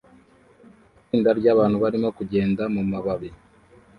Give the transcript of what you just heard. Itsinda ryabantu barimo kugenda mumababi